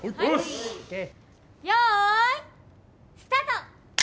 よいスタート！